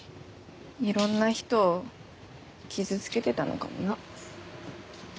いろんな人を傷つけてたのかもな。